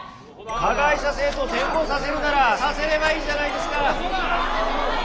加害者生徒を転校させるならさせればいいじゃないですか。